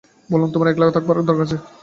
বললুম, আমার একলা থাকবার দরকার আছে।